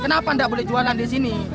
kenapa nggak boleh jualan disini